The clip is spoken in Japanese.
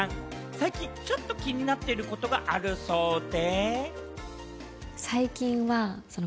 最近ちょっと気になっていることがあるそうで。